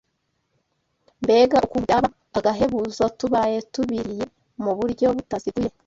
Mbega ukuntu byaba agahebuzo tubaye tubiriye mu buryo butaziguye